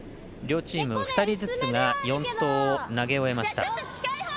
両チーム２人ずつが４投を投げ終えました。